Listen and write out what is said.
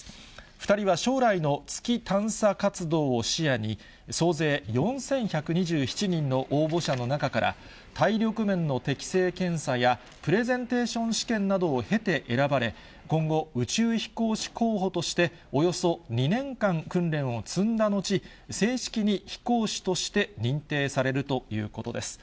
２人は将来の月探査活動を視野に、総勢４１２７人の応募者の中から、体力面の適性検査や、プレゼンテーション試験などを経て選ばれ、今後、宇宙飛行士候補としておよそ２年間訓練を積んだのち、正式に飛行士として認定されるということです。